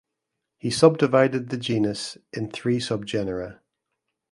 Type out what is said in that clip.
He subdivided the genus in three subgenera.